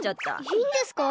いいんですか？